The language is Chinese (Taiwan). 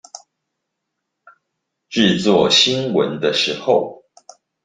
製作新聞的時候